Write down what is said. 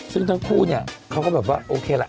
ซึ่งทั้งคู่เขาก็แบบว่าโอเคละ